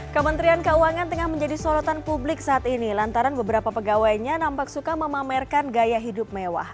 kementerian keuangan tengah menjadi sorotan publik saat ini lantaran beberapa pegawainya nampak suka memamerkan gaya hidup mewah